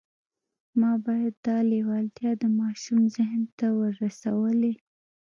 ما باید دا لېوالتیا د ماشوم ذهن ته ورسولای